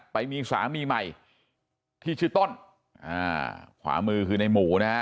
ไปมีสามีใหม่ที่ชื่อต้นอ่าขวามือคือในหมูนะฮะ